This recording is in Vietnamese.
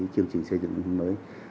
chương trình xây dựng nông thôn mới